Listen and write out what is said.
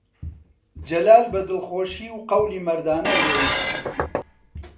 جەلال بە دڵخۆشی و قەولی مەردانە ڕۆیشت